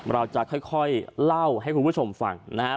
เราจะค่อยเล่าให้คุณผู้ชมฟังนะครับ